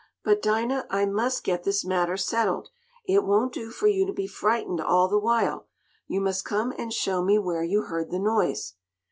"But, Dinah, I must get this matter settled. It won't do for you to be frightened all the while. You must come and show me where you heard the noise."